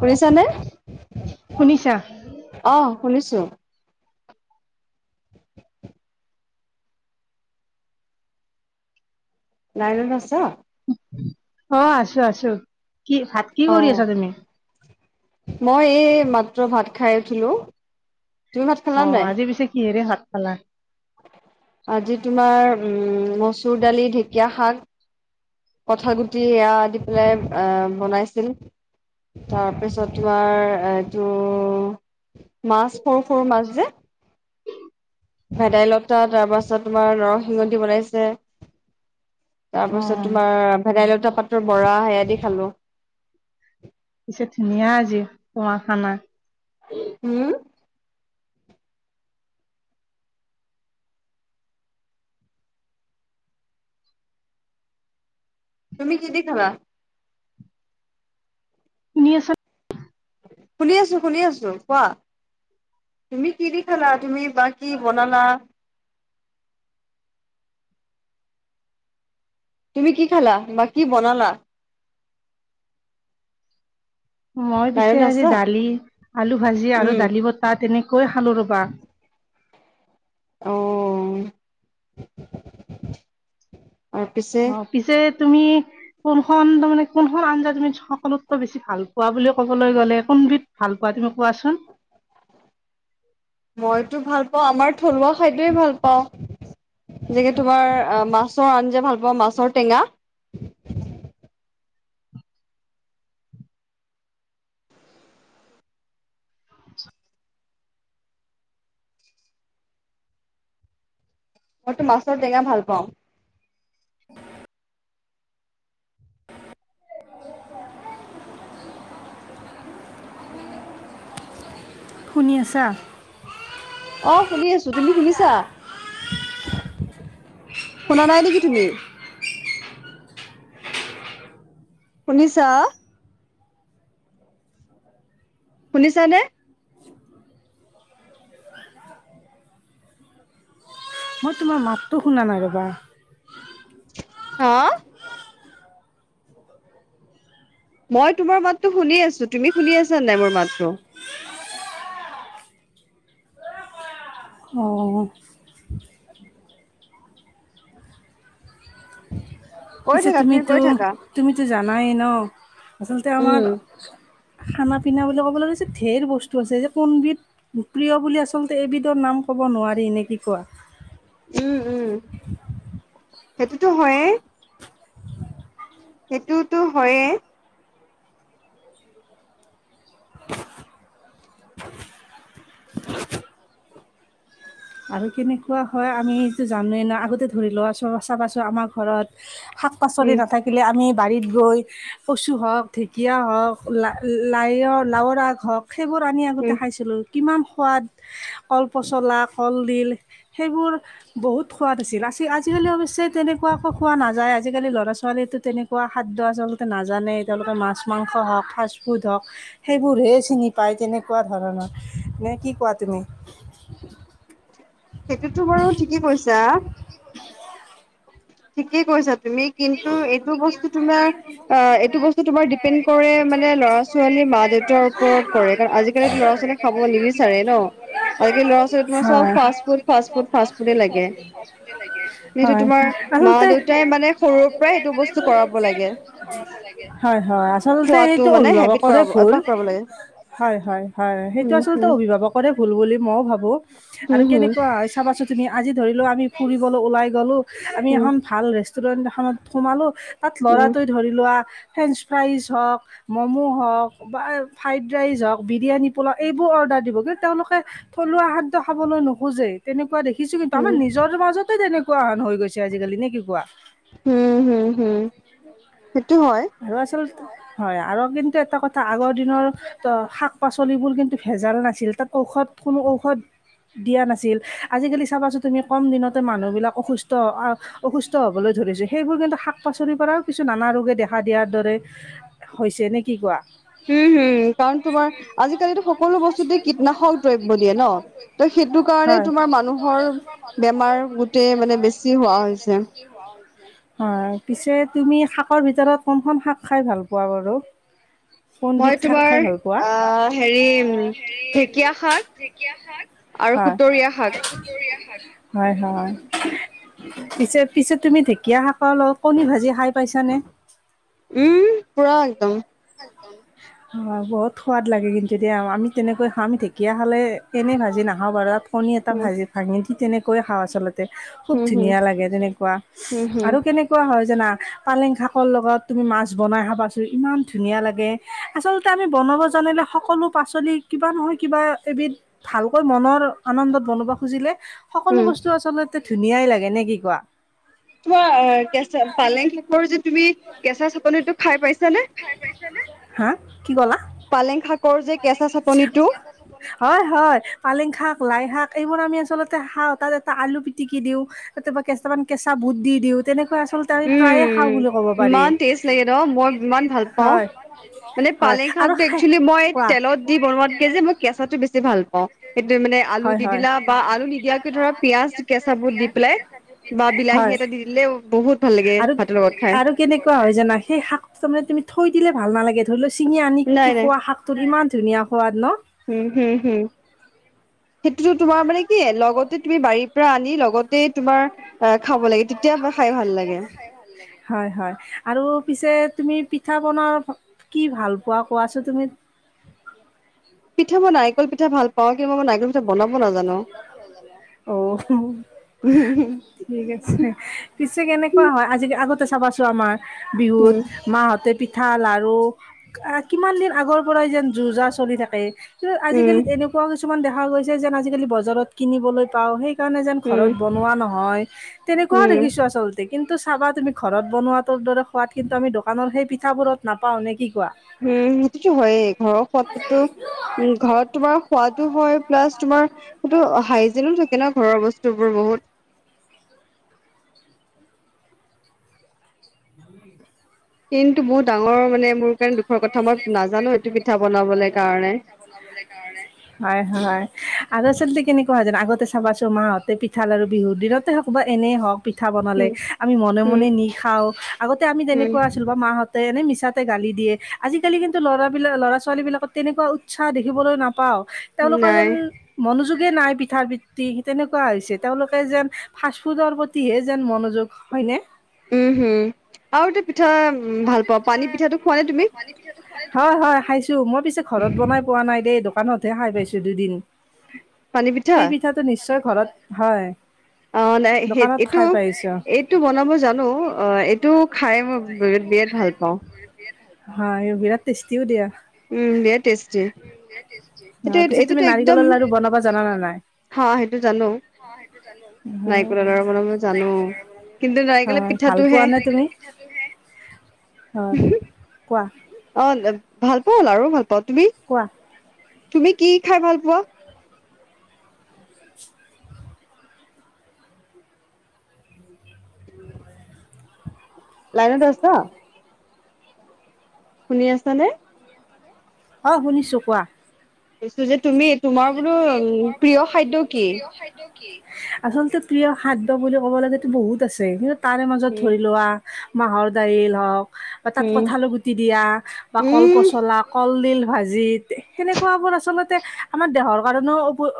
শুনিছানে? শুনিছা? শুনিছোঁ। লাইনত আছা? অ', আছোঁ আছোঁ কি ভাত কি অঁ কৰি আছা তুমি? মই এই মাত্ৰ ভাত খাই উঠিলোঁ। অ', আজি পিছে কিহেৰে ভাত খালা? আজি তোমাৰ উম, মচুৰ দালি, ঢেকীয়া শাক। কঠাল গুটি এইয়া দি পেলাই আহ, বনাইছিলোঁ। তাৰপিছত তোমাৰ এইটো! মাছ সৰু, সৰু মাছ যে। ভেদাইলতা তাৰ পাছত তোমাৰ নৰসিংহ দি বনাইছে। তাৰ অ পাছত তোমাৰ ভেদাইলতা পাতৰ বৰা সেইয়া দি খালো। পিছে ধুনীয়া আজি খোৱা খানা। উম, তুমি কি দি খালা? শুনি আছা নে? শুনি আছো, শুনি আছো কোৱা তুমি কি দি খালা তুমি? বা কি বনালা? তুমি কি খালা বা কি বনালা? মই পিছে লাইনত আজি আছা দালি, আলু ভাজি আৰু উম দালি বটা তেনে কৈ খালো ৰবা। অ। আৰু পিছে অ পিছে তুমি কোনখন তাৰমানে কোনখন আঞ্জা তুমি সকলোতকৈ বেছি ভাল পোৱা বুলি ক'বলৈ গ'লে কোন বিধ ভাল পোৱা তুমি কোৱাচোন? মইতো ভাল পাওঁ আমাৰ থলুৱা খাদ্যয়েই ভাল পাওঁ। যেনেকে তোমাৰ মাছৰ আঞ্জা ভাল পাওঁ, মাছৰ টেঙা। [inaudible] মইতো মাছৰ টেঙা ভাল পাওঁ। [unintelligible] শুনি আছা? অ শুনি আছো। তুমি শুনিছা? শুনা নাই নেকি তুমি? শুনিছা? শুনিছানে? মই তোমাৰ মাতটো শুনা নাই ৰ'বা। হা? মই তোমাৰ মাতটো শুনি আছো। তুমি শুনি আছা নাই মোৰ মাতটো? অ কৈ পিছে থাকা তুমি কৈ থাকা তুমিতো-তুমিতো জানাই ন আচলতে আমাৰ উম খানা-পিনা বুলি ক'বলৈ গৈছে, ঢেৰ বস্তু আছে যে কোনবিধ প্ৰিয় বুলি আচলতে এবিধৰ নাম ক'ব নোৱাৰি। নে কি কোৱা? উম, উম। সেইটোতো হয়ে। সেইটোতো হয়য়ে। আৰু কেনেকুৱা হয় আমিতো জানোৱেই ন, আগতে ধৰি লোৱা ছ চাবাছোঁ আমাৰ ঘৰত শাক-পাচলি উম নাথাকিলে আমি বাৰীত গৈ কচু হওক, ঢেঁকীয়া হওক, লা-লাই লাওৰ আগ হওক, সেইবোৰ আনি আগতে উম খাইছিলোঁ। কিমান সোৱাদ, কলপচলাক কলদিল, সেইবোৰ বহুত সোৱা আছিল। আজ-আজিকালি অৱশ্যে তেনেকুৱা একো খোৱা নাযায় আজিকালি ল'ৰা ছোৱালীো তেনেকুৱা খাদ্য আচলতে নাজানেই। তেওঁলোকে মাছ-মাংস হওক, ফাষ্টফুড হওক, সেইবোৰহে চিনি পায় তেনেকুৱা ধৰণৰ। না কি কোৱা তুমি? সেইটোতো বাৰু ঠিকেই কৈছা। ঠিকেই কৈছা তুমি কিন্তু, এইটো বস্তু তোমাৰ অ এইটো বস্তু তোমাৰ ডিপেড কৰে মানে ল'ৰা ছোৱালী মা দেউতাৰ ওপৰত কৰে, কাৰণ আজিকালিতো ল'ৰা ছোৱালী খাব নিবিচাৰে ন, আজিকি ল'ৰা ছোৱালী তোমাৰ চব ফাছফুড-ফাছফুড-ফাছফুড লাগে। সেইটো তোমাৰ মা দেউতাই মানে সৰুৰ পৰাই এইটো বস্তু কৰাব লাগে। হয় হয় আচলতে খোৱাটো সেইটো মানে হেবিট অভিভাৱকৰৰে কৰাব ভুল। অভ্যাস কৰাব লাগে হয়-হয়-হয়। সেইটো উম আচলতে হুম অভিভাৱকৰে ভুল বুলি মইও ভাবো, হুম আৰু হুম কেনেকুৱা হয় চাবাচোন তুমি আজি ধৰি লোৱা আমি ফুৰিবলৈ ওলাই গ'লো, আমি উম এখন ভাল ৰেষ্টুৰেন্ট এখনত সোমালো। তাত উম ল'ৰাটোৱে ধৰি লোৱা ফ্ৰেঞ্চ ফ্ৰাইজ হওক, ম'ম' হওক বা ফ্ৰাইড ৰাইচ হওক, বিৰিয়ানী পোলা এইবোৰ অৰ্ডাৰ দিবগে, তেওঁলোকে থলুৱা শাক খাবলৈ নোখোজেই তেনেকুৱা দেখিছো কিন্তু, আমাৰ উম নিজৰ মাজতে তেনেকুৱান হৈ গৈছে আজিকালি। নে কি কোৱা? হম হম হম সেইটো হয়। আৰু আচলতে হয়। আৰু কিন্তু এটা কথা আগৰ দিনৰ শাক পাচলিবোৰ কিন্তু ভেজাল নাছিল। তাত ঔষধ কোনো ঔষধ দিয়া নাছিল। আজিকালি চাবাচোন তুমি কম দিনতে মানুহ বিলাক অসুস্থ অসুস্থ হবলৈ ধৰিছোঁ। সেইবোৰ কিন্তু শাক পাচলিৰ পৰাও কিছু নানা ৰোগে দেখা দিয়াৰ দৰে হৈছে, নে কি কোৱা? উম হম কাৰণ তোমাৰ আজিকালিটো সকলো বস্তুতে কীটনাশক দ্ৰব্য দিয়ে ন ন সেইটো কাৰণে তোমাৰ সেই টো মানুহৰ কাৰণে তোমাৰ মানুহৰ বেমাৰ গোটেই মানে বেমাৰ বেছি হোৱা গোটেই হৈছে বেছি হোৱাৰ হৈছে। হয় পিছে, তুমি শাকৰ ভিতৰত কোনখন শাক খাই ভাল পোৱা বাৰু। মই কোনবিধ শাক তোমাৰ খাই ভাল পোৱা? আহ হেৰি উম। ঢেকীয়া শাক আৰু হয়, সুতৰীয়া শাক। হয়, হয়, পি পিছেত তুমি ঢেকীয়া শাক কণী ভাজি খাই পাইছানে? উম, পুৰা একদম। [unintelligible] বহুত সোৱাদ লাগে কিন্তুতি আমি তেনেকৈ খাওঁ আ ঢেকীয়া খালে এনে ভাজি নাখাওঁ বাৰু। কণী এটা উম ভাজি ভাঙি ঠিক তেনেকৈয়ে খাওঁ, আচলতে। খুব হম হম ধুনীয়া লাগে তেনেকুৱা হম হম আৰু কেনেকুৱা হয় জানা। পালেং শাকৰ লগত তুমি মাছ বনাই খাবাচোন ইমান ধুনীয়া লাগে, আচলতে আমি বনাব জানিলে সকলো পাচলি কিবা নহয় কিবা এবিধ ভালকৈ মনৰ। আনন্দত বনাব খুজিলে, সকলো উম বস্তু আচলতে ধুনীয়াই লাগে নে কি কোৱা। তোমাৰ কেঁচা পালেং শাকৰ যে তুমি কেঁচা চাটনিটো খাই পাইছা? হা কি ক'লা। পালেং শাক। হয়, হয়, পালেং শাক। লাই শাক এইবোৰ আমি আচলতে খাওঁ। তাত এটা আলু পিটিকি দিওঁ তাত কেটামান কেঁচা বুট দি দিওঁ তেনেকুৱা। আচলতে আমি পাই খাওঁ উম বুলি ক'ব পাৰি, ইমান টেষ্ট লাগে ন মই ইমান ষ্টেটি ন ভাল পাওঁ মানে হয়। পালেং আৰু খাকটো খে একচুৱেলি মই কোৱা তেলত দি বনোৱাতকে যে মই কেঁচাটো হে ভাল অ' সেইটোয়ে মানে আলু হয় দি হয় দিলা বা আলু নিদিয়াকে ধৰা পিয়াজ কেঁচা বুট দি পেলাই। বা হয় বিলাহী এটা দি দিলেওঁ বহুত ভাল লাগে আৰু ভাতৰ লগত খাই। আৰু কেনেকুৱা হয় জানা সেই শাক তাৰানে তুমি থৈ দিলে ভাল নালাগে ধৰি লোৱা ছিঙি আনি কি নাই নাই খোৱা শাকটো ইমান ধুনীয়া সোৱাদ ন। উম, হম, হম, সেইটোতো তোমাৰ মানে কি লগত। তুমি বাৰীৰ পৰা আনি লগতে তোমাৰ খাব লাগে তেতিয়া খাই ভাল লাগে। হয়, হয়, আৰু পিছে। তুমি পিঠা পনা কি ভাল পোৱা কোৱাচোন তুমি। পিঠা মই নাৰিকল পিঠা ভাল পাওঁ। কিন্তু, মই নাৰিকল পিঠা বনাব নাজানো। অ' উম ঠিক আছে, পিছে কেনেকুৱা হয় আজি আগতে চাবাচোন। আমাৰ বিহুত উম মাহঁতে পিঠা লাৰু কিমান দিন আগৰ পৰাই যেন যোৰ যাৰ চলি থাকে। উম আজিকালি এনেকুৱাও কিছুমান দেখা গৈছে যেন আজিকালি বজাৰত কিনিবলৈ পাওঁ সেই। সেই কাৰণে যেন উম ঘৰত বনোৱা উম নহয়। তেনেকুৱাও উম দেখিছো। আচলতে কিন্তু চাবা তুমি ঘৰত বনোৱা। টো দৰে সোৱাদ কিন্তু আমি দোকানৰ সেই পিঠাবোৰত নাপাওঁ নেক কি। কোৱা? উম, সেইটো হয় ঘৰ সোৱাদটো। উম, ঘৰত তোমাৰ সোৱাদো হয় প্লাছ তোমাৰ সেইটো। হাইজিনো থাকে ন ঘৰৰ বস্তুবোৰ বহুত [unintelligible] কিন্তু বহুত ডাঙৰ মানে মোৰ কাৰণে দোষৰ কথা। মই নাজানো এইটো পিঠা বনাবলে কাৰণে। হয়, হয়। আৰু টৰচলি কেনেকুৱা হয়ন আগতে চাবা চো মাহঁতে পিঠাল আৰু বিহুৰ দিনতে হওঁক বা এনেই হওঁক। পিঠা বনালে উম আমি মনে উম মনে নি খাওঁ আগতে আমি উম তেনেকুৱা আছিলো বা মাহঁতে এনে মিচ গালি দিয়ে, আজিকালি কিন্তু ল'ৰাবিলাক ল'ৰা ছোৱালী বিলাকত তেনেকুৱা উৎসাহ দেখিবলৈ নাপাওঁ। তেওঁলোকৰ নাই যেন মনোযোগ। মনোযোগে নাই পিঠা ভিত্তি তেনেকুৱা হৈছে। তেওঁলোকে যেন ফাষ্ট ফুডৰ প্ৰতিহে যেন মনোযোগ হয়নে। উম, হম আৰু এ পিঠা উ ভাল পাওঁ পানী পিঠাটো। খোৱা নে তুমি হয়, হয় খাইছোঁ। মই পিছে ঘৰত বনাই পোৱা নাই দেই, দোকানতহে খাই পাইছো দুদিন। পানী পিঠা? সেই পিঠাটো নিশ্চয় ঘৰত হয়। অ'। মানে সেই দোকানত এইটো, খাই পাইছো। এইটো বনাব জানো অ', এইটো খাই মই বিৰাট ভাল পাওঁ। অ'। হয়, বিৰাট টেষ্টিও দিয়া। উম, বিৰাট টেষ্টি। অ', সেইটো পিছত তুমি এইটোতো একদম নাৰিকলৰ লাৰু বনাবা জানানে নাই? হা সেইটো জানো। অ'। নাৰিকলৰ লাৰু বনাব জানো কিন্তু নাৰিকলৰ হয়, ভাল পোৱা পিঠাটোহে নে তুমি হয়, কোৱা? অ', ভাল পাওঁ লাৰুও ভাল পাওঁ তুমি? কোৱা তুমি কি খাই ভাল পোৱা? [inaudible] লাইনত আছা? শুনি আছানে? অ', শুনিছোঁ কোৱা? কৈছো যে তুমি তোমাৰ বোলো প্ৰিয় খাদ্য কি? আচলতে প্ৰিয় খাদ্য বুলি ক'ব গলেটো বহুত আছে, কিন্তু তাৰে মাজত ধৰি উম লোৱা। মাহৰ দাইল হওঁক। বা তাত উম কঠাল গুটি দিয়া বা কল উম পচলা, কলডিল। ভাজিত যেনেকুৱাবোৰ আচলতে আমাৰ দেহৰ কাৰণেও অ',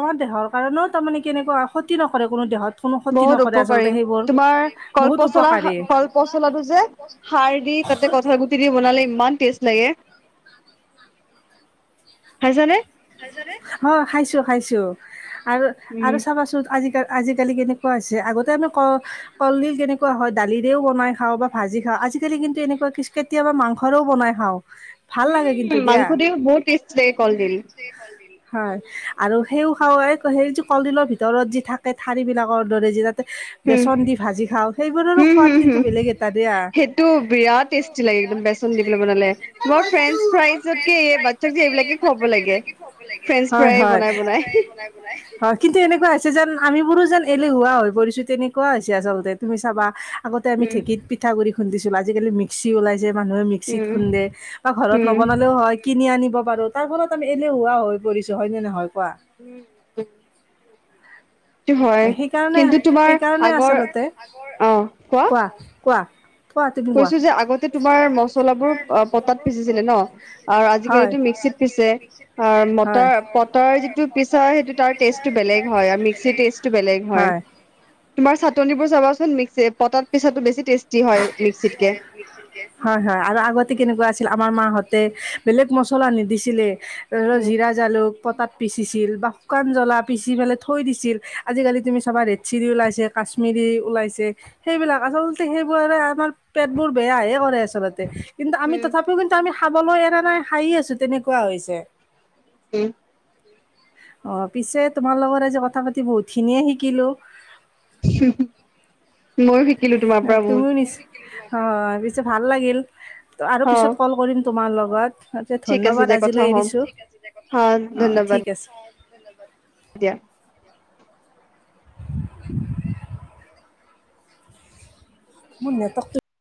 আমাৰ দেহৰ কাৰণেও তাৰমানে কেনেকুৱা হয়, ক্ষতি নকৰে কোনো দেহত। কোনো ক্ষতি বহুত নকৰে উপকাৰী আচলতে সেইবোৰ তোমাৰ বহুত কলপচলা, উপকাৰী কলপচলাটো যে সাৰ দি। তাতে কঁঠালগুটি দি বনালে ইমান টেষ্ট লাগে জানে খাইছা নে? অ', খাইছোঁ, খাইছোঁ আৰু, আৰু উম চাবাচোন আজিকাল আজিকালি কেনেকুৱা হৈছে, আগতে আমি ক-কলডিল কেনেকুৱা হয় দালিৰেও বনাই খাওঁ বা ভাজি খাওঁ। আজিকালি কিন্তু এনেকুৱা কিছ-কেতিয়াবা মাংসৰেও বনাই খাওঁ। ভাল লাগে উম, কিন্তু দিয়া মাংসদিও বহুত টেষ্টি লাগে কলডিল। হয়, আৰু সেইও খাব পাৰে সেই যি কলডিলৰ ভিতৰত যি থাকে ঠাৰি বিলাকৰ দৰে যি। হম বেচন দি ভাজি খাওঁ, সেইবোৰৰো হম সোৱাদ হম কিন্তু বেলেগ হম এটা দিয়া। সেইটো বিৰাট টেষ্টি লাগে একদম বিৰাট বেচন টেষ্টি দি লাগে পেলাই বনালে এইটো খাই, তোমাৰ মই ফ্ৰেঞ্চ ফ্ৰাইজতকে এই বাচ্ছাক যে ফ্ৰেঞ্চ-ফ্ৰাইজকে এইবিলাকে খুৱাব লাগে এই [unintelligible] ফ্ৰেঞ্চ হয়, ফ্ৰাই হয়, বনাই বনাই হয় কিন্তু এনেকুৱা হৈছে যেন আমিবোৰো যেন এলেহুৱা হৈ পৰিছো তেনেকুৱা হৈছে, আচলতে তুমি চাবা আগতে আমি ঢেঁকীত পিঠাগুৰি খুন্দিছিলো। আজিকালি মিক্সি উলাইছে, মানুহে মিক্সিত উম খুন্দে বা ঘৰত নবনালেও উম হয় কিনি আনিব। পাৰোঁ, তাৰ ফলত আমি এলেহুৱা হৈ পৰিছো হয় নে নহয়? কোৱা উম, হয়, সেইকাৰণে কিন্তু তোমাৰ সেইকাৰণে আগৰ আচলতে আহ, কোৱা? কোৱা তুমি কোৱা কৈছো যে আগতে তোমাৰ মছলাবোৰ অ', পতাত অ পিচিছিলে ন আজিকালোটো মিক্স। পিছে হয়। মটাৰ-পটাৰ যিটো পিছা সেইটো তাৰ টেষ্টটো বেলেগ হয় আৰু মিক্সিৰ টেষ্ট। বেলেগ হয়, তোমাৰ চাটনি বোৰ চাবাচোন মিক্স, পটাত পিছাটো বেছি টেষ্টি হয়। মিক্সিতকে। হয়, হয় আৰু আগতে কেনেকুৱা আছে। আমাৰ মাহঁতে বেলেগ মছলা নিদিছিলে ধৰক উম, জিৰা, জালুক। পটাত পিচিছিল বা শুকান জ্বলা পিচি পেলাই থৈ দিছিল, আজিকালি তুমি চাবা ৰেড চিলি ওলাইছে। কাশ্মীৰী উলাইছে, সেইবিলাক আচলতে সেইবোৰ পেটবোৰ বেয়াহে কৰে আচলতে, কিন্তু আমি উম। তথাপিও কিন্তু আমি খাবলৈ এৰা নাই, খাইয়ে আছো তেনেকুৱা হৈছে। উম, অ', পিছে তোমাৰ লগত আজি কথা পাতি বহুতখিনিয়ে শিকিলোঁ। [unintelligible] ময়ো শিকিলোঁ তোমাৰ পৰা বহুত অ' পিছে ভাল লাগিল ত' আৰু পিছত অ'। কল কৰিম তোমাৰ লগত। তে ঠিক আছে ধন্যবাদ দিয়া কথা আজিলৈ হ'ম এৰিছোঁ। হা অঁ ধন্যবাদ ঠিক আছে। দিয়া। [inaudible] মোৰ নেটৱৰ্ক টো